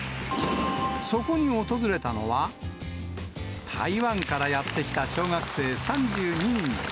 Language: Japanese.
そこに訪れたのは、台湾からやって来た小学生３２人です。